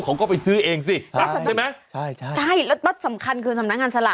เขาก็ไปซื้อเองสิใช่ไหมใช่ใช่แล้วรถสำคัญคือสำนักงานสลาก